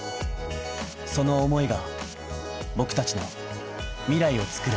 その思いが僕達の未来をつくる